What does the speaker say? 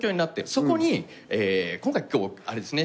そこに今回今日あれですね